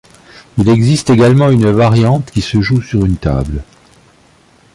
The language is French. Il existe également une variante qui se joue sur une table.